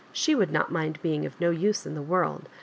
She would not mind being of no use in the world.